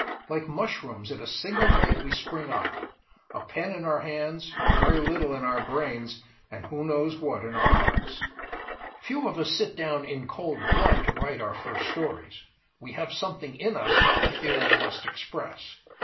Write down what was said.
Like mushrooms, in a single sight we spring up—a pen in our hands, very little in our brains, and who knows what in our hearts! Few of us sit down in cold blood to write our first stories; we have something in us that we feel we must express.